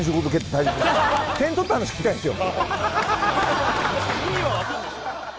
点取った話聞きたいんですよ。